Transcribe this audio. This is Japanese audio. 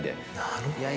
なるほど。